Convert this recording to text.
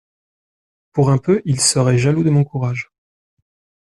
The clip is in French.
Pour un peu, ils seraient jaloux de mon courage.